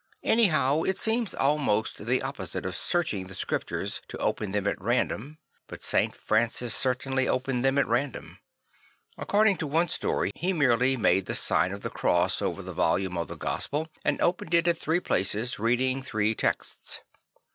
Anyhow it seems almost the opposite of searching the Scriptures to open them at random; but St. Francis certainly opened them at random. According to one story J he merely made the sign of the cross over the volume of the Gospel and opened it at three places reading three texts.